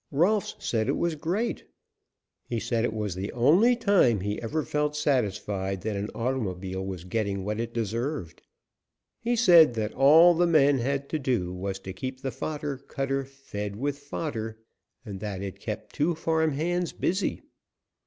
Rolfs said it was great. He said it was the only time he ever felt satisfied that an automobile was getting what it deserved. He said that all the men had to do was to keep the fodder cutter fed with fodder, and that it kept two farm hands busy.